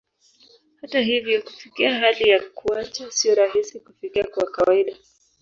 Hata hivyo, kufikia hali ya kuacha sio rahisi kufikia kwa kawaida.